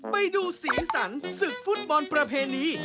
ไปดูสีสันศึกฟุตบอลประเพณี